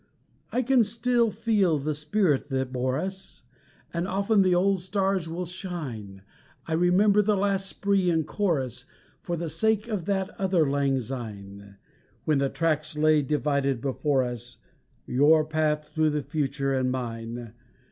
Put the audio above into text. I can still feel the spirit that bore us, And often the old stars will shine I remember the last spree in chorus For the sake of that other Lang Syne, When the tracks lay divided before us, Your path through the future and mine.